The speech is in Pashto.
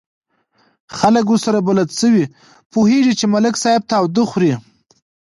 خلک ورسره بلد شوي، پوهېږي چې ملک صاحب تاوده خوري.